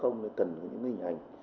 nên cần những hình ảnh